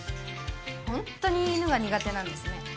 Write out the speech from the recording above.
ホントに犬が苦手なんですね。